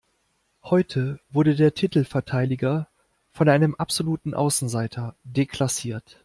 Heute wurde der Titelverteidiger von einem absoluten Außenseiter deklassiert.